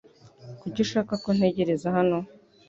Kuki ushaka ko ntegereza hano?